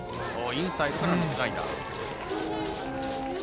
インサイドからのスライダー。